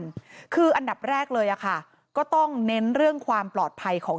คืออันดับแรกเลยอะค่ะก็ต้องเน้นเรื่องความปลอดภัยของ